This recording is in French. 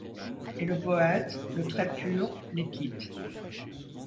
Et le poète, le très pur, les quitte.